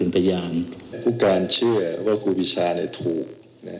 พุการณ์เชื่อว่าคุณพิชาถูก